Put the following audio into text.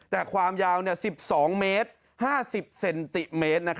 แต่ความยาว๑๒เมตร๕๐เซนติเมตร